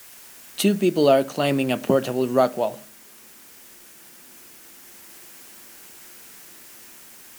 Two people are climbing a portable rock wall